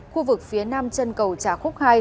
khu vực phía nam chân cầu trà khúc hai